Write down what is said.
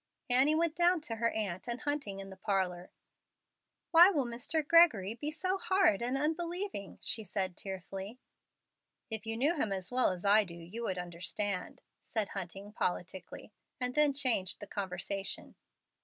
Annie went down to her aunt and Hunting in the parlor. "Why will Mr. Gregory be so hard and unbelieving?" she said, tearfully. "If you knew him as well as I do you would understand," said Hunting, politicly, and then changed the conversation.